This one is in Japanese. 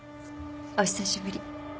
お久しぶり。